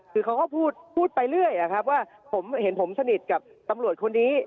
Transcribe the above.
คือเขาก็พูดไปเรื่อยว่าผมเห็นผมสนิทกับตำรวจคนนี้